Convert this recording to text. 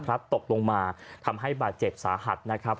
ตกลงมาทำให้บาดเจ็บสาหัสนะครับ